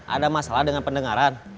ada masalah dengan pendengaran